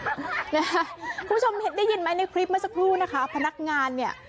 คุณผู้ชมได้ยินไหมในคลิปเมื่อสักครู่นะคะพนักงานเนี่ย